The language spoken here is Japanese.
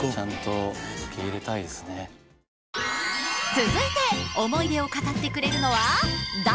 続いて思い出を語ってくれるのは「大！